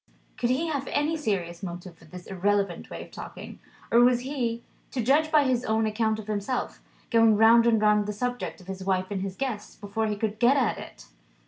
Could he have any serious motive for this irrelevant way of talking? Or was he, to judge by his own account of himself, going round and round the subject of his wife and his guest, before he could get at it?